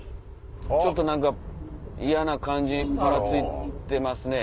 ちょっと何か嫌な感じにパラついてますね。